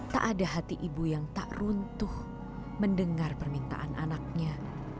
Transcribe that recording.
tak ada hati ibu yang tak runtuh mendengar permintaan anaknya